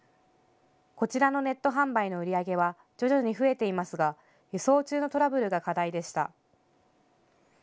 こちらのネット販売の売り上げは徐々に増えていますが輸送中のトラブルが課題でした。